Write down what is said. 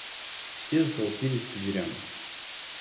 Все затолпились к дверям.